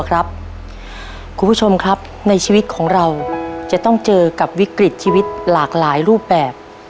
คุณผู้ชมครับในชีวิตของเราจะต้องเจอกับวิกฤตชีวิตหลากหลายรูปแบบ